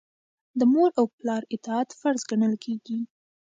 د مور او پلار اطاعت فرض ګڼل کیږي.